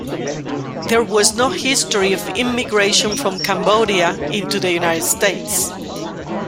There was no history of immigration from Cambodia into the United States.